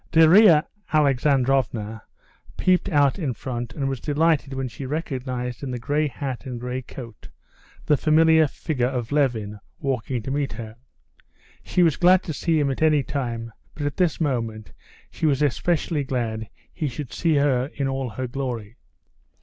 Darya Alexandrovna peeped out in front, and was delighted when she recognized in the gray hat and gray coat the familiar figure of Levin walking to meet them. She was glad to see him at any time, but at this moment she was specially glad he should see her in all her glory.